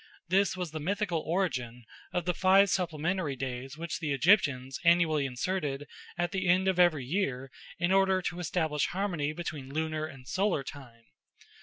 This was the mythical origin of the five supplementary days which the Egyptians annually inserted at the end of every year in order to establish a harmony between lunar and solar time.